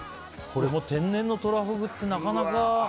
これも天然のトラフグってなかなか。